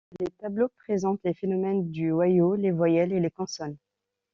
Les tableaux présentent les phonèmes du wayuu, les voyelles, et les consonnes.